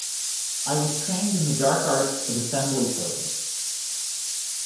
I was trained in the dark arts of assembly coding.